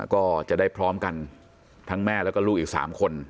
ก็จะได้พร้อมกันทั้งแม่แล้วก็ลูกอีก๓คน